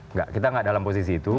enggak kita nggak dalam posisi itu